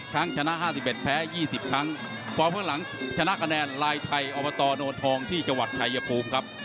ไปพบกับคุณชาญชายและคุณอธิวัตรครับ